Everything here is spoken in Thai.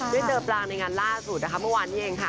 เด็กเตอร์ปลางในงานล่าสุดเมื่อวานนี้เองค่ะ